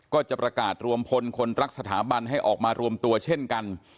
ก็จะประกาศรวมพลคนรักสถาบันให้ออกมารวมตัวเช่นกัน